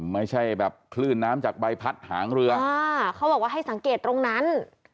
ไม่ใช่แบบคลื่นน้ำจากใบพัดหางเรืออ่าเขาบอกว่าให้สังเกตตรงนั้น